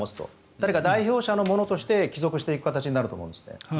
誰か代表者のものとして帰属していく形になると思いますね。